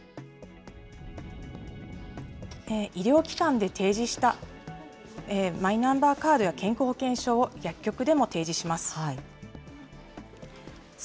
医療機関で提示したマイナンバーカードや健康保険証を薬局でも提示します。